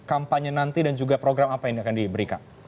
kampanye nanti dan juga program apa yang akan diberikan